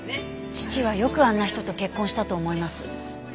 父はよくあんな人と結婚したと思います。